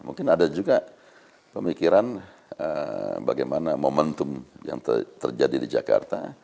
mungkin ada juga pemikiran bagaimana momentum yang terjadi di jakarta